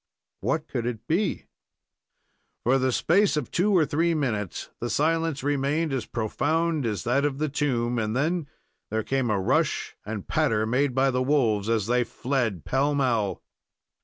What could it be? For the space of two or three minutes the silence remained as profound as that of the tomb, and then there came a rush and patter, made by the wolves as they fled pell mell.